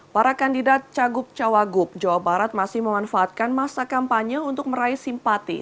para kandidat cagup cawagup jawa barat masih memanfaatkan masa kampanye untuk meraih simpati